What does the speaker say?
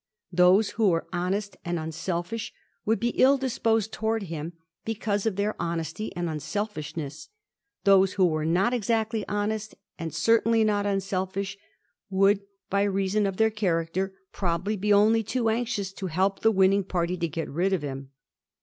Those who were honest and unselfish would be ill disposed towards him because of their honesty and unselfishness ; those who were not exactly honest and certainly not unselfish, would, by reason of their character, probably be only too anxious to help the winning party to get rid of him.